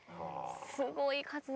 すごい数。